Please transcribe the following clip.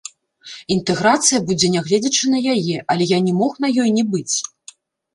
Інтэграцыя будзе нягледзячы на яе, але я не мог на ёй не быць!